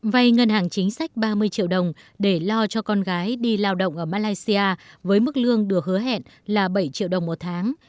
vay ngân hàng chính sách ba mươi triệu đồng để lo cho con gái đi lao động ở malaysia với mức lương được hứa hẹn là bảy triệu đồng một tháng